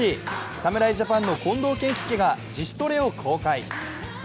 侍ジャパンの近藤健介が自主トレを公開。